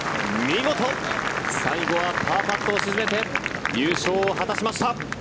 見事、最後はパーパットを沈めて優勝を果たしました！